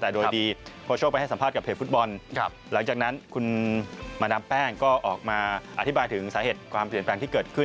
แต่โดยดีโคชโชคไปให้สัมภาษณ์เพจฟุตบอลหลังจากนั้นคุณมาดามแป้งก็ออกมาอธิบายถึงสาเหตุความเปลี่ยนแปลงที่เกิดขึ้น